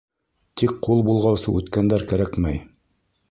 Тик ҡул болғаусы үткәндәр кәрәкмәй.